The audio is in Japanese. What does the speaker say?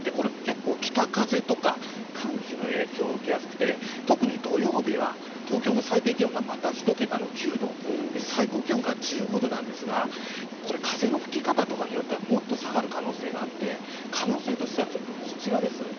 これ結構、北風とか寒気の影響を受けやすくて特に土曜日は東京の最低気温がまた一桁の９度最高気温が１５度なんですが風の吹き方とかによってはもっと下がる可能性があって可能性としては、こちらです。